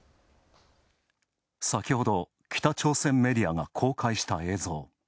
先ほど北朝鮮メディアが公開した映像。